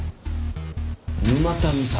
沼田美沙。